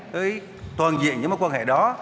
tới toàn diện những mối quan hệ đó